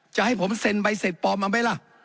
จะให้ผมเซ็นใบเสร็จปลอมเอาไหมล่ะ